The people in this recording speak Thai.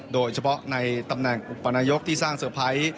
โดยเฉพาะในตำแหน่งอุปนายกที่สร้างเซอร์ไพรส์